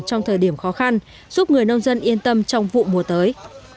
trong thời điểm khó khăn giúp người nông dân yên tâm trong vụ mùa tới